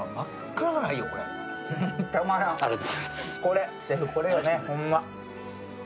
これ、シェフ、これよねほんま。